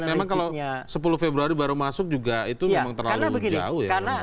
memang kalau sepuluh februari baru masuk juga itu memang terlalu jauh ya